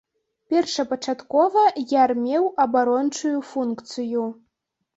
Першапачаткова яр меў абарончую функцыю.